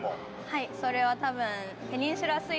はい。